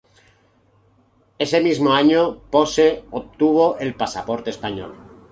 Ese mismo año Posse obtuvo el pasaporte español.